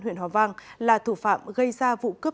huyện hòa vang là thủ phạm gây ra vụ cướp